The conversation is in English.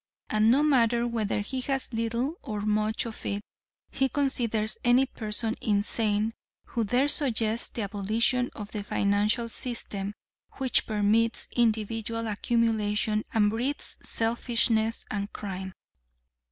And no matter whether he has little or much of it he considers any person insane who dare suggest the abolition of the financial system which permits individual accumulation and breeds selfishness and crime.